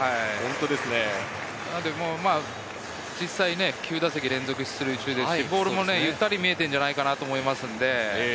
実際９打席連続出塁中ですし、ボールもゆったり見えているのではないかと思います。